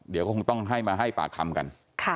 เดี๋ยวก็คงต้องให้มาให้ปากคำกัน